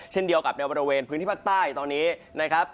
เช่นเดียวกับในบริเวณพื้นที่ภาคใต้ตอนนี้นะครับ